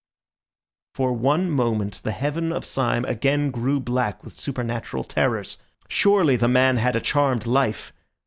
For one moment the heaven of Syme again grew black with supernatural terrors. Surely the man had a charmed life.